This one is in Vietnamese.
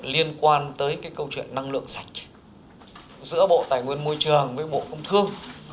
liên quan tới cái câu chuyện năng lượng sạch giữa bộ tài nguyên môi trường với bộ công thương